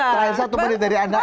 terakhir satu menit dari anda